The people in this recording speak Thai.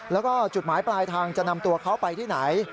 แล้วก็จุดหมายปลายทางจะนำตัวเขาไปที่ไหน